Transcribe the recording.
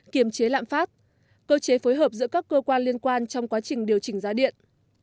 kiềm chế lạm phát cơ chế phối hợp giữa các cơ quan liên quan trong quá trình điều chỉnh giá điện